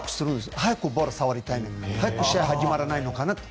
早くボール触りたいとか早く試合始まらないかなと。